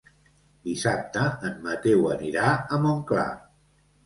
Dissabte en Mateu anirà a Montclar.